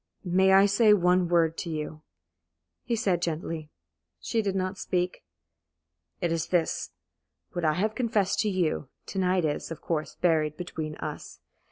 "May I say one word to you?" he said, gently. She did not speak. "It is this. What I have confessed to you to night is, of course, buried between us.